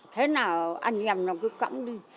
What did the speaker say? thế nào anh em nó cứ cấm đi